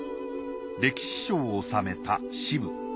歴史書を収めた「史部」。